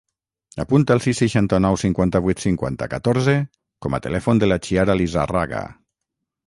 Apunta el sis, seixanta-nou, cinquanta-vuit, cinquanta, catorze com a telèfon de la Chiara Lizarraga.